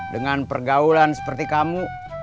dengan pergaulan seperti kamu